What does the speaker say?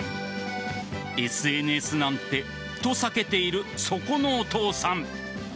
ＳＮＳなんて、と避けているそこのお父さん。